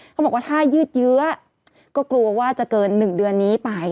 เขาบอกว่าถ้ายืดเยื้อก็กลัวว่าจะเกิน๑เดือนนี้ไป